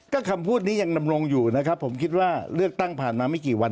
ก็คำพูดนี้ยังดำรงอยู่นะครับผมคิดว่าเลือกตั้งผ่านมาไม่กี่วัน